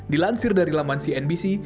dilansir dari laman cnbc